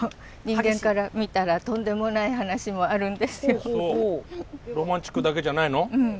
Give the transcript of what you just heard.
人間から見たらとんでもない話もあるんですよ。